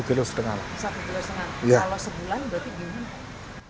kalau sebulan berarti bagaimana